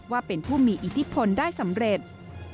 ว่าเป็นผู้มีอิทธิพลได้สำเร็จ